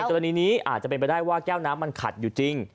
กรณีนี้อาจจะเป็นไปได้ว่าแก้วน้ำมันขัดอยู่จริง